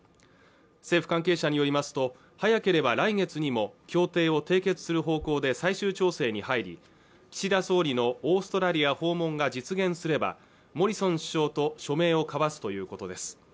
政府関係者によりますと早ければ来月にも協定を締結する方向で最終調整に入り岸田総理のオーストラリア訪問が実現すればモリソン首相と署名を交わすということです